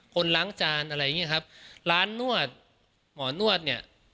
คนล้างจานอะไรอย่างเงี้ยครับร้านนวดหมอนวดเนี่ย